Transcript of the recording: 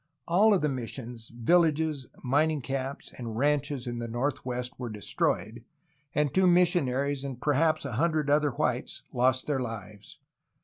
All of the missions, villages, mining camps, and ranches in the northwest were destroyed, and two mis sionaries and perhaps a hundred other whites lost their Hves.